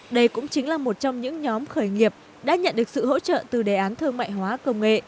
đây cũng chính là một trong những nhóm khởi nghiệp đã nhận được sự hỗ trợ từ đề án thương mại hóa công nghệ